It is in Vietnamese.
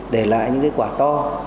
để lại những quả to